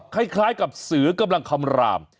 เหมือนกับเสือกำลังคำราม